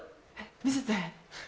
見せて。